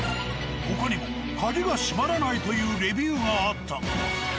他にも「鍵が閉まらない」というレビューがあったが。